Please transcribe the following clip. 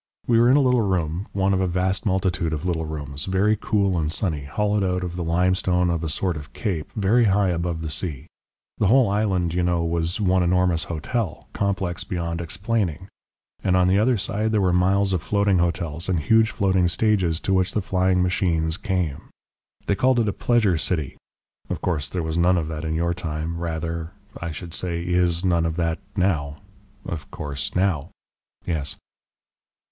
We were in a little room, one of a vast multitude of little rooms, very cool and sunny, hollowed out of the limestone of a sort of cape, very high above the sea. The whole island, you know, was one enormous hotel, complex beyond explaining, and on the other side there were miles of floating hotels, and huge floating stages to which the flying machines came. They called it a pleasure city. Of course, there was none of that in your time rather, I should say, IS none of that NOW. Of course. Now! yes.